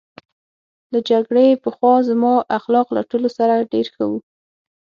له جګړې پخوا زما اخلاق له ټولو سره ډېر ښه وو